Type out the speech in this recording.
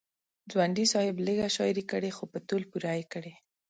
ځونډي صاحب لیږه شاعري کړې خو په تول پوره یې کړې.